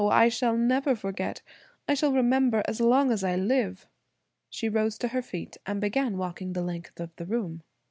I shall never forget–I shall remember as long as I live." She rose to her feet and began walking the length of the room.